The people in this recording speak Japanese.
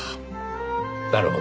なるほど。